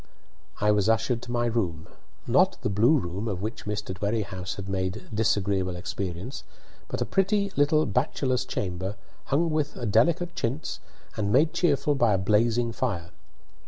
I was ushered to my room not the blue room, of which Mr. Dwerrihouse had made disagreeable experience, but a pretty little bachelor's chamber, hung with a delicate chintz and made cheerful by a blazing fire.